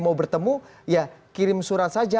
mau bertemu ya kirim surat saja